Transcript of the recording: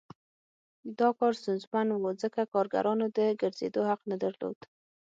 دا کار ستونزمن و ځکه کارګرانو د ګرځېدو حق نه درلود